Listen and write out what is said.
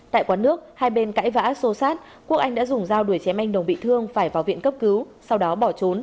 tại quán nước hai bên cãi vã xô sát quốc anh đã dùng dao đuổi chém anh đồng bị thương phải vào viện cấp cứu sau đó bỏ trốn